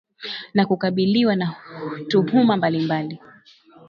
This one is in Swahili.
na kukabiliwa na tuhuma mbalimbali